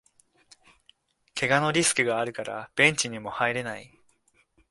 けがのリスクがあるからベンチにも入れない